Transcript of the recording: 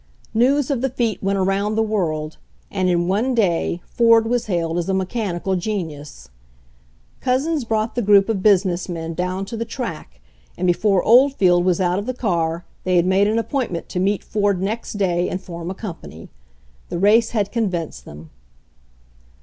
News of the feat went around the world, and in one day Ford was hailed as a mechanical genius. Couzens brought the group of business men down to the track, and before Oldfield was out of the car they had made an appointment to meet Ford next day and form a company. The race had convinced them.